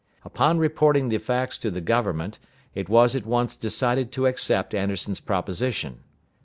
Upon reporting the facts to the governor, it was at once decided to accept Anderson's proposition.